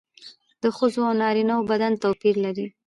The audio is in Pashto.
د ښځو او نارینه وو بدن توپیر لري